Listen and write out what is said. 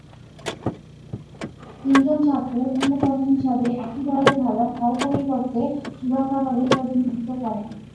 তিনজন ছাত্রের অন্যতম হিসেবে একই দলে খেলেন ও পরবর্তীতে শ্রীলঙ্কা দলে প্রতিনিধিত্ব করেন।